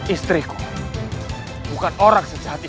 istriku bukan orang sejati